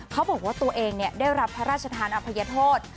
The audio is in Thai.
เขาบอกว่าตัวเองได้รับพระราชทานอภัยโทษ